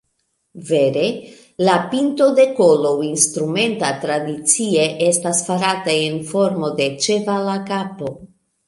Vere, la pinto de kolo instrumenta tradicie estas farata en formo de ĉevala kapo.